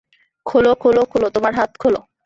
খোলো, খোলো, খোলো, তোমার হাত খোলো।